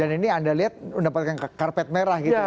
dan ini anda lihat anda pakai karpet merah gitu ya